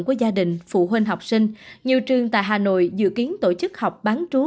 của gia đình phụ huynh học sinh nhiều trường tại hà nội dự kiến tổ chức học bán trú